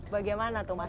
bagaimana tuh mas